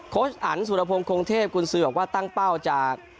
โค้ชอันสุรพงศ์คงเทพฯคุณซื้อออกว่าตั้งเป้าจะ